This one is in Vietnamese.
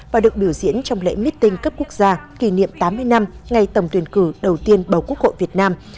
và được biểu diễn trong lễ mít tinh cấp quốc gia kỷ niệm tám mươi năm ngày tầm tuyển cử đầu tiên bầu quốc hội việt nam